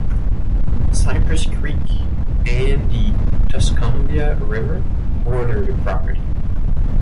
Cypress Creek and the Tuscumbia River border the property.